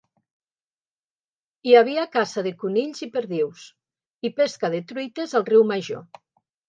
Hi havia caça de conills i perdius, i pesca de truites al Riu Major.